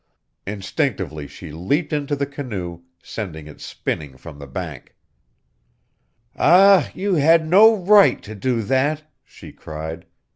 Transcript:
Instinctively she leaped into the canoe, sending it spinning from the bank. "Ah, you had no right to do that!" she cried.